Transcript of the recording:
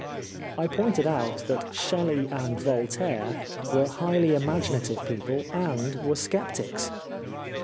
" I pointed out that Shelley and Voltaire were highly imaginative people and were sceptics.